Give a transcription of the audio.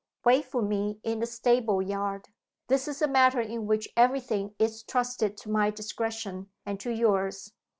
Wait for me in the stable yard. This is a matter in which every thing is trusted to my discretion, and to yours."